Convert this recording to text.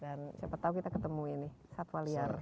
dan siapa tahu kita ketemu ini satwa liar